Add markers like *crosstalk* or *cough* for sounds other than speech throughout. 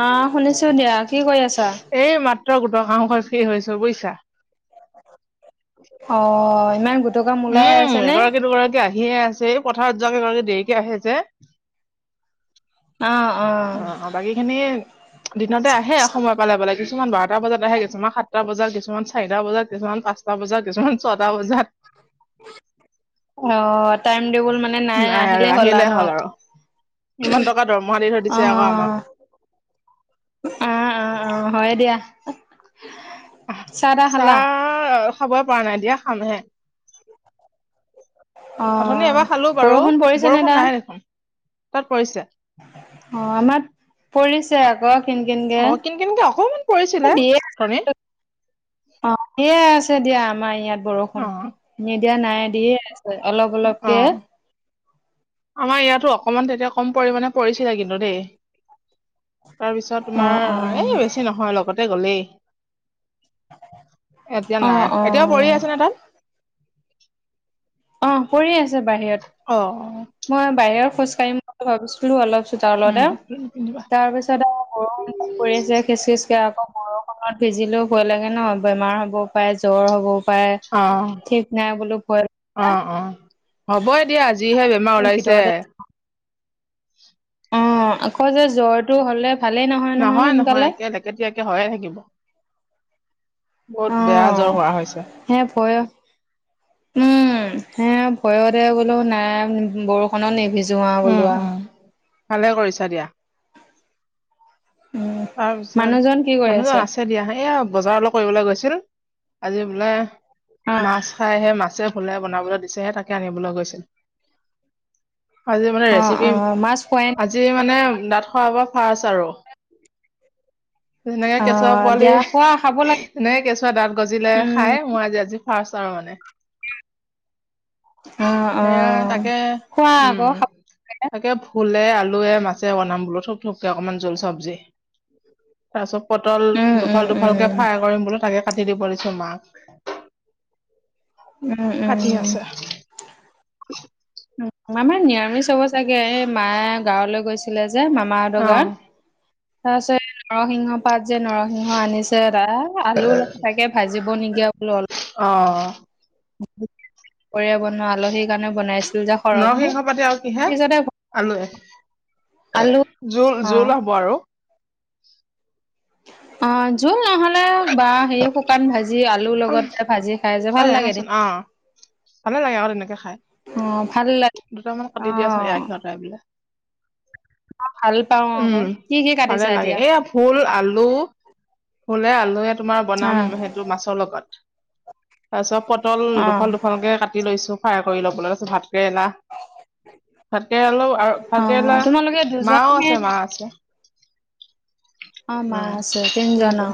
অ', শুনিছো দিয়া কি কৰি আছা? এই মাত্ৰ গোটৰ কাম কৰি ফ্ৰী হৈছোঁ বুজিছা। অ' ইমান গোট উম এগৰাকী দুগৰাকী আহিয়ে আছে। এই পথাৰত যোৱ এগৰাকী দেৰিকে আহে যে অ', অ' অ' বাকী খিনি দিনতে আহে সময় পালে পালে কিছুমান বাৰটা বজাত আহে। কিছুমান সাতটা বজাত কিছুমান চাৰিটা বজাত কিছুমান পাঁচটা বজাত কিছুমান ছটা বজাত। অ' টাইম টেবুল মানে নাই আৰু আহিলেই হ'ল আৰু, ইমান টকা দৰমহা দি থৈ অ দিছে আকৌ আমাক অ', অ', অ' হয় দিয়া। চাহ তাহ খালা চাহ খাবই পৰা নাই দিয়া খাম হে অ অথনি এবাৰ খালো বাৰু, বৰষুণ পৰিছে নে বৰষুণ তাত নাই দেখোন তাত পৰিছে অ' আমাৰ ইয়াত পৰিছে আকৌ। কিন কিনকে অ' কিন কিনকে অকমান এ পৰিছিলে, দিয়ে আছে ওথনি। অ' পৰিয়ে আছে দিয়া আমাৰ ইয়াত। অ বৰষুণ, এৰি দিয়া নাই দিয়ে আছে অলপ অলপকে অ আমাৰ ইয়াতো অকমান তেতিয়া কম পৰিমাণে পৰিছিলে কিন্তু দেই তাৰপিছত অ অ তোমাৰ এই বেছি নহয় লগতে গলেই। এতিয়া অ নাই। অ এতিয়াও পৰি আছে নে তাত অ' পৰি আছে বাহিৰত। অ', অ' মই বাহিৰত খোজ কাঢ়িম বুলি ভাবিছিলো অলপ চোতলতে। উম পিন্ধিবা তাৰপিছত আৰু বৰষুন পৰি আছে খিচ খিচ কে আকৌ বৰষুনত ভিজিলেও ভয় লাগে ন, বেমাৰ হ'বও পাৰে জ্বৰ হ'বও পাৰে অ ঠিক নাই বোলোঁ অ', অ', হ'ব এ দিয়া যিহে বেমাৰ ওলাইছে। ভিতৰতে অ' আকৌ যে জ্বৰটো হলে ভালেই নহয় নহয় সোনকালে। কেতিয়াকে হয়ে থাকিব বহুত অ বেয়া জ্বৰ হোৱা হৈছে। হে ভয়, উম' হে ভয়তে বোলো নাই বৰষুণ বৰষুণত নিভিজো উম বোলো আৰু উম ভালে কৰিছা দিয়া। উম মানুহজন কি তাৰপিছত কৰি মানুহজন আছে দিয়া এইয়া বজাৰ অলপ কৰিবলৈ গৈছিল আজি বোলে অ মাছ। খাই হে মাছে ভুলে বনাবলৈ দিছে তাকে আনিবলৈ গৈছিল। আজি মানে অ অ ৰেচিপি, মাছ খোৱাই আজি মানে দাত শৰা পৰা ফাৰ্ষ্ট আৰু সেনেকে অ কেঁচুৱা পোৱালি দিয়া খোৱা খাব লাগে সেনেকে কেঁচুদাত গজিলে উম খাই মই আজি আজি ফাৰ্ষ্ট আৰু মানে অ অ সেইয়াই তাকে খোৱা উম আকৌ খাব লাগে তাকে ফুলে আলুৱে মাছে বনাম বোলো থুপ থুপকে অকনমান জোল চব্জি *inaudible* তাৰপিছত পটল উম উম দুফাল দুফালকে উম ফ্ৰাই কৰিম বোলো তাকে কাটি দিব দিছো মাক। উম কাটি উম আছে আমাৰ ম নিৰামিষব চাগে এই মায়ে গাঁৱলৈ গৈছিলে যে মামা মাহ অ দগাৰ, তাৰপিছত নৰসিংহ পাত যে নৰসিংহ আনিছে এদাল আলু অল তাকে ভাজিব নিগিয়া বোলো অলপ। অ',। পৰিয়া বনোৱা আলহীৰ কাৰণেও বনাইছে। নৰসিংহ পাতি আৰু কিহে আলুৱে? আলু অ জোল-জোল হ'ব আৰু। অ', জোল নহলে বা হে শুকান ভাজি। আজি আলুৰ লগত ভাজি খাই যে অ ভাল লাগে আহাচোন দেখ অ ভালে লাগে আৰু তেনেকে খাই অ', ভাল লাগ দুটামান কাটি দিয়াচোন, এৰাই খোৱা নাই বোলে। মই ভাল পাওঁ আকৌ। কি কি কাটিছো এতিয়া? ফুল আলু, ফুলে আলুৱে তোমাৰ বনাম অ', সেইটো মাছৰ লগত। তাৰপিছত পটল অ', দুফাল দুফালকে কাটি লৈছো, ফ্ৰাই কৰি ল'বলৈ, ভাত কেৰেলা। ভতেৰেলাও আৰু অ', ভতেৰেলা তোমালোকে দুজন মাঁও নে আছে মাঁ আছে। অ মাঁ উম আছে তিনি জন তিনিজন অ',।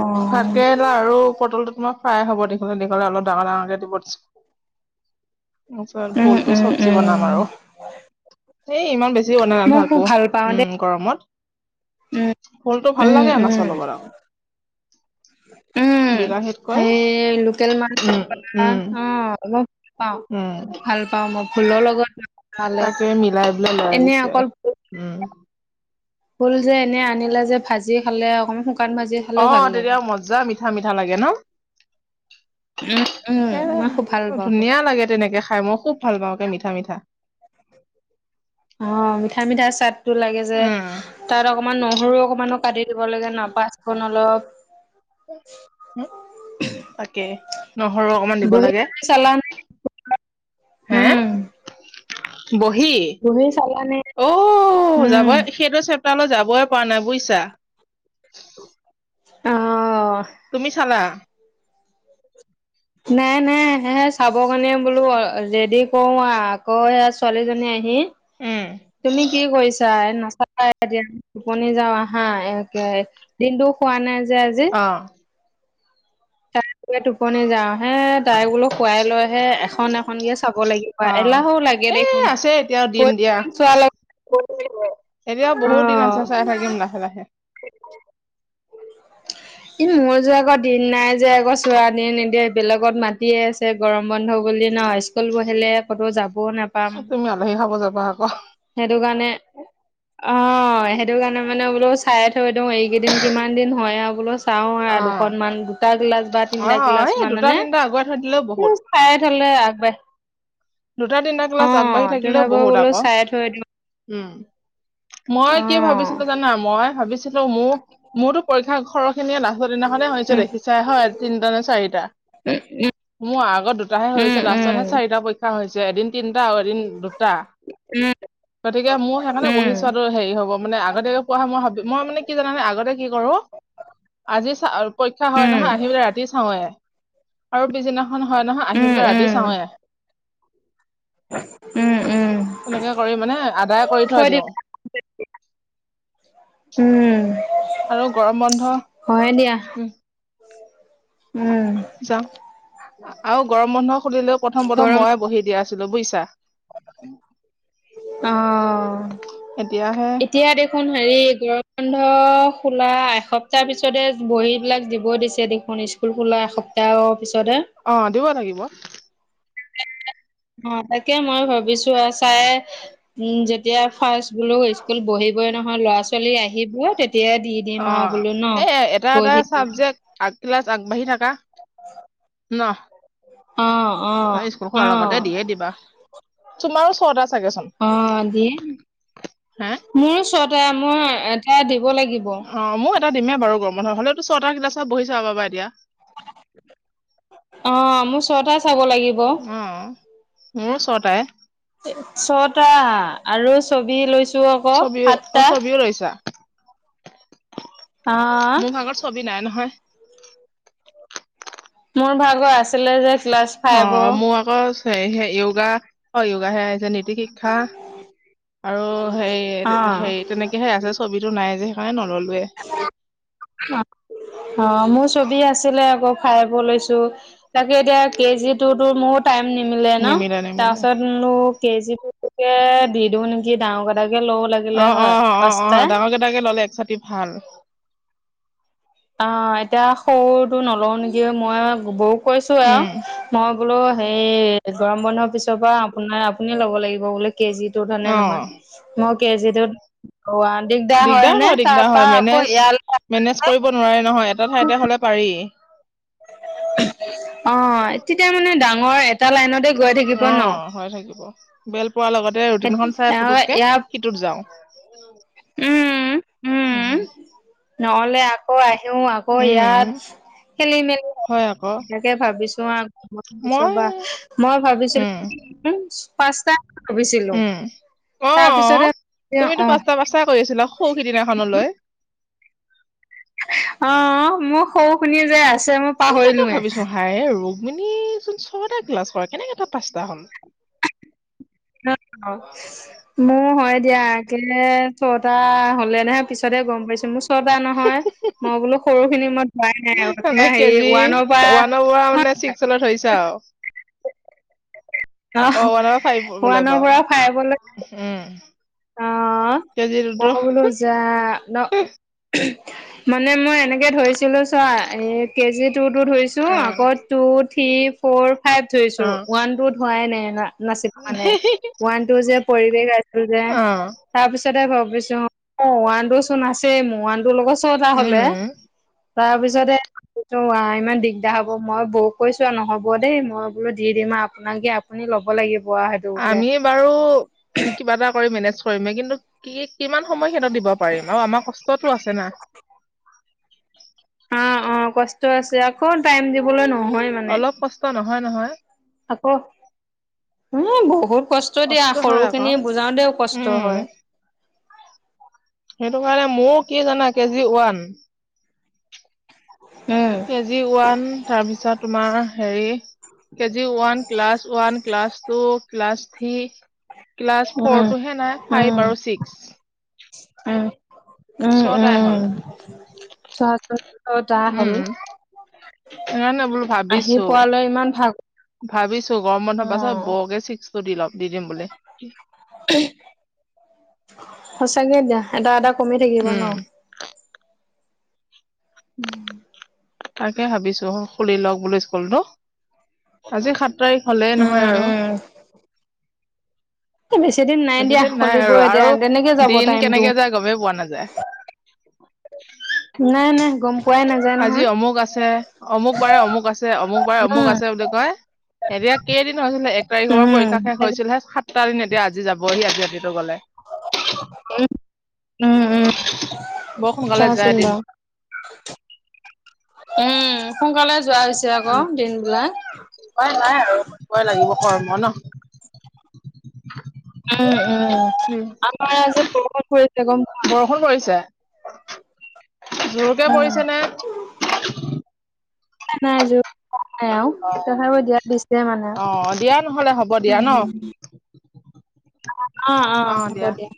অ', ভাতকেৰেলা আৰু পটলটো তোমাৰ ফ্ৰাই হ'ব, দীঘলে-দীঘলে অলপ ডাঙৰ-ডাঙৰকে দিব দিছো। তাৰপিছত উম, ভুলতো উম, চব্জি বনাম উম। আৰু। সেই ইমান বেছি বনায় মই খুব নাথাকো। ভাল পাওঁ দেই উম। গৰমত, উম, ফুলতটো ভাল উম, লাগে উম, মাছৰ লগত আকৌ। উম। বিলাহীত কৈ সেই লোকেল মানুহৰ অ', মই ভ পা উম ভাল। পাওঁ মই ভোলৰ লগত। বনালে তাকে মিলাই পেলাই লৈ এনে আহিছে, অকল ভোল উম। ভোল যে এনে আনিলে যে, ভাজি খালে অকমান শুকান ভাজি। খালেও ভাল অ', লাগে। তেতিয়া মজা মিঠা-মিঠা লাগে ন। উম, উম, একে মই খুব ভাল পাওঁ খুব। ধুনীয়া লাগে, তেনেকে খাই মই খুব ভাল পাওঁ একে মিঠা-মিঠা। অ', মিঠা মিঠা চাট টো লাগে যে, উম। তাত অকমান নহৰু অকমানো কাটি দিব লাগে ন পাঁচপোৰন অলপ। তাকে। নহৰু অকমান দিব বহি লাগে। চালানে হে? উম বহি বহি চালানে অ', উম যাব সেইটো চ তালৈ যাবই পৰা নাই বুইছা। অ'। তুমি চালা? নাই নাই, সেই চাব কাৰণে বোলো ৰেডি কৰো, আকৌ সেয়া ছোৱালীজনী আহি উম, তুমি কি কৰিছা নাচাই তিয়া টোপনি যাও আহা, এ দিনটো শুৱা নাই যে আজি। অ। তাই বোলে টোপনি যাওঁ হে তাই বোলো খুৱাই লৈহে এখন এখন কে চাব লাগিব অ', এলাহো লাগে এই দেখোন আছে এতিয়াও দিন দিয়া। চোৱাৰ লগত এতিয়াও বহুত দিন আছে অ'। চাই থাকিম লাহে লাহে। ই মোৰ যোৱা আকৌ দিন নাই। যে আকৌ ছোৱালীয়ে নিদিয়ে, বেলেগত মাতিয়ে আছে গৰম বন্ধ বুলি ন স্কুল বহিলে ক'তো যাবও নাপ তুমি আলহী খাব যাবা আকৌ। সেইটোকাৰনে অ', সেইটো কাৰণে মানে বোলো চাইে থৈ দিওঁ, এইকেইদিন কিমান দিন হয় আৰু বোলো। চাওঁ আৰু অ', দুখননমান দুটা গিলাচ বা তিনটা অ', গিলাচ এই দুটা মানে। তিনটা আগুৱাই থৈ দিলেও বহুত। খায় থ'লে আগবাঢ়ে। দুটা, তিনটা ক্লাছ আগবাঢ়ি থাকিলেও তথাপিও বহুত বোলো আকৌ, চাই থৈ দিওঁ উম। মই অ কি ভাবিছিলো জানা মই ভাবিছিলো মোৰ মোৰতো পৰীক্ষা খৰচ হেসিনি লাষ্টৰ দিনাখনে হৈছে দেখিছাই হয় তিনিটা নে চাৰিটা এ এই মোৰ আগত দুটাহে হৈ হৈছে লাষ্টতহে চাৰিটা পক্ষ হৈছে এদিন তিনটা আৰু এদিন দুটা উম উম গতিকে মোৰ সেইকাৰণে বহিছোৱা দ উম হেৰি হ'ব মানে আগতে পোৱা মই মই মানে কি জানানে আগতে কি কৰো আজি পৰীক্ষা হয় উম নহয় আহিয়ে ৰাতি ৰাতি চাওঁৱয়ে আৰু পিছদিনাখন হয় নহয় আহি উম পেলাই ৰাতি উম চাওঁৱয়ে উম উম তেনেকে কৰি মানে আদায় কৰি থৈ দিওঁ উম আৰু গৰম বন্ধ হয়ে দিয়া উম উম যাওঁ আৰু গৰম বন্ধ খুলিলেও প্ৰথম প্ৰথম গৰম মইয়ে বহি দিয়া আছিলো বুজিছা অ এতিয়াহে এতিয়া দে হেৰি গৰম বন্ধ খোলা এসপ্তাহ পিছতে বহী বিলাক দিব দিছে দেখোন স্কুল স্কুল খোলাৰ এসপ্তাহৰ পিছতহে অ দিব লাগিব অ তাকে মই ভাবিছো চাই উ যেতিয়া ফাস্ট বোলো স্কুল বহিবই নহয় ল'ৰা ছোৱালী আহি অ তেতিয়াই দি দিম অ আৰু বোলো ন এ এটা এটা বহি চাবজেক্ট আগ ক্লাছ আগ বাহি থাকা অ অ ন স্কুল অ খোলাৰ লগতে দিয়ে দিবা তুমাৰো ছটা চাগে চোন অ দিয়ে মোৰ চতায়ে মই এটা দিব লাগিব অ মোৰ এটা দিমেই বাৰু গৰম বন্ধত হলেতো ছটা ক্লাছৰ বহি চাব পাবা এতিয়া অ মোৰ চটায়ে চাব লাগিব অ মোৰো চতায়ে ছটা আৰু ছবি লৈছো আকৌ সাতটা কি লৈছা অ মোৰ ভাগৰ ছবি নাই নহয় মোৰ ভাগৰ আছিলে যে ক্লাছ অ ফাইভৰ মোৰ আকৌ য়োগা অ য়োগ হে আহিছে নীতি শিক্ষা আৰু হে অ হেৰিত তেনেকেহে আছে ছবিটো নাই যে সেইকাৰণে নললোৱে অ অ মোৰ ছবি আছিলে আকৌ ফাইবো লৈছো তাকে এতিয়া কে জি টু টুৰ মোৰো টাইম নিমিলে ন তাৰপাছত কেজিকে দি দিও নেকি ডাঙৰ কটাকে লব লাগে অ অ অ অ অ ডাঙৰকেইটাকে ললে এক চাটি ভাল অ এতিয়া সৰুটো নলওঁ নেকি মই বৌ কৈছো আৰু উম মই বোলো হেই গৰম বন্ধৰ পিছৰ পৰা আপোনাৰ আপুনি ল'ব লাগিব বোলে কেজিত কেউ ফালে অ নহয় মই কেজি তোত অ' দিগদাৰ হয়নে হয় তাৰ দিগদাৰ হয় পৰা আকৌ মেনেজ ইয়ালে মেনেজ কৰিব নোৱাৰে নহয়, এটা ঠাইতে হ'লে পাৰি। অ' তেতিয়া মানে ডাঙৰ এটা লাইনতে গৈ থাকিব ন অ' হৈ থাকিব, বে'ল পৰাৰ লগতে ৰুটিনখন চাই অ পুতুককে ইয়াৰ সিটোত যাওঁ, উম নহ'লে আকৌ আহো আকৌ উম ইয়াত খেলি মেলি হয়। তাকে ভাবিছো আৰু মই মই ভাবিছিলো উম পাঁচটা ভাবিছিলো উম, তাৰপিছতে অ' তুমিতো অ পাঁচটা পাঁচটা কৰি আছিলা সৌ সিদিনাখনলৈ। অ' মোৰ সৰু শুনি যে আছে মোৰ মই তাকে ভাবিছো হাই ৰুক্মিনী চোন ছটা ক্লাছ কৰে, কেনেকে তাই পাঁচটা হ'ল। *unintelligible* মোৰ হয় দিয়া আকে ছটা হ'ল নে নহয় পিছতহে গম পাইছো। মোৰ বা নহয় মই বোলো সৰু খিনি মই ধোৱাই নাই, মানে এ হেৰি ওৱানৰ পৰা লৈ ধৰিছা আৰু অ' ওৱানৰ ফাইভলৈ ওৱানৰ পাও, উম আহ, মই কেজিটোতো বোলো যা ন। মানে মই এনেকে ধৰিছিলো চোৱা, এই কেজি টু টো ধৰিছো, অ আকৌ টু থ্ৰী ফ'ৰ ফাইভ অ ধৰিছো, ওৱান টু ধৰাই নাই ন নাছিল মানে, ওৱান টু যে পৰিৱেশ আছিল যে। অ তাৰ পিছতেহে ভাবিছো, ওৱানটো চোন আছেই মোৰ, ওৱানটোৰ লগত টো এটা হ'লে, উম তাৰপিছতে অ' আই ইমান দিগদাৰ হব, মই বৌ কৈছো আৰু নহ'ব দেই মই বোলো দি দিম আৰু আপোনাকে। আপুনি ল'ব লাগিব আ আমি বাৰু কিবা এটা কৰি মেনেজ কৰিমেই, কিন্তু কি কিমান সময় সিঁহতক দিব পাৰিম, অ' আমাৰ কষ্টতো আছে না। অ' অ' কষ্ট আছে আকৌ, টাইম দিবলৈ নহয় মানে। অলপ কষ্ট নহয় নহয় আকৌ, হু বহুত কষ্ট দিয়া, হয় আকৌ সৰুখিনি বুজাওতেও কষ্ট উম হয়। সেইটো কাৰণে, মোৰ কি জানা কে জি ওৱান উম। কেজি ওৱান, তাৰপিছত তোমাৰ হেৰি KG one, class one. Class two, class three, class উম ফ'ৰটোহে নাই, উম ফাইভ আৰু ছিক্স। উম। উম ছটাই হ'ল। উম ছটা হ'ল। উম সেইকাৰণে বোলো আহি ভাবিছো পোৱালৈ ইমান ভাগ ভাবিছো গৰম অ বন্ধৰ পাছত বৌকে ছিক্সটো দি লম দি দিম বুলি। সঁচাকে দিয়া, এটা এটা কমি থাকিব ন। উম উম। তাকে ভাবিছো খুলি লওক বুলি স্কুল টো, আজি সাত তাৰিখ হলেই উম নহয় আৰু। উম। বেছি দিন নাই বেছি দিয়া, দিন খুলিবই এতিয়া, তেনেকে যাব টাইমটো। যাই গমেই পোৱা নাযায়। নাই নাই গম পোৱাই নাযায় আজি নহয় অমুক আছে অমুক বাৰে অমুক আছে অমুক বাৰে অমুক উম আছে বুলি কয়, এতিয়া কেইদিন হৈছিলে, এক তাৰিখৰ পৰা উম পৰীক্ষা শেষ হৈছিলেহে, সাত টা দিন এতিয়া আজি যাবহি আজি ৰাতিটো গ'লে। বৰ সোনকালে যায় দিন *unintelligible* *inaudible* উম, সোনকালে যোৱা হৈছে আকৌ দিন বিলাক। উপাই নাই আৰু কৰিবই লাগিব কৰ্ম ন। উম উম আমাৰ আজি বৰষুণ পৰিছে গম পোৱা। বৰষুণ পৰিছে জোৰকে অ'। পৰিছে নে? নাই যোৰ *unintelligible* তথাপি দিয়া দিছে মানে। অ দিয়া নহলে হ'ব দিয়া ন অ' অ' হ'ব দিয়া।